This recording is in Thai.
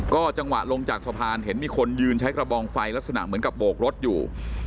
จังหวะลงจากสะพานเห็นมีคนยืนใช้กระบองไฟลักษณะเหมือนกับโบกรถอยู่